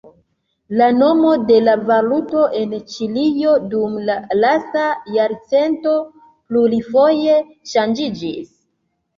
La nomo de la valuto en Ĉilio dum la lasta jarcento plurfoje ŝanĝiĝis.